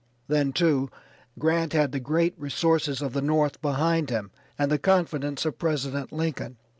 Then, too, Grant had the great resources of the North behind him and the confidence of President Lincoln.